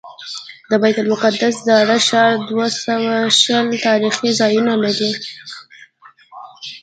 د بیت المقدس زاړه ښار دوه سوه شل تاریخي ځایونه لري.